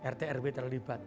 rt rw terlibat